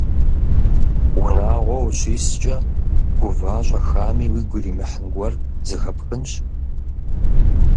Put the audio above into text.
Унагъуэ ущискӏэ, гува щӏэхами уигу иримыхьын гуэр зэхэпхынщ.